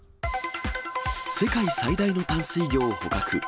世界最大の淡水魚を捕獲。